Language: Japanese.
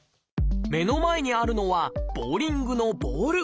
目の前にあるのはボウリングのボール。